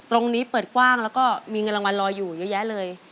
ตรงนี้เปิดกว้างแล้วก็มีเงินรางวัลรออยู่เยอะแยะเลย